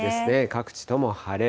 各地とも晴れ。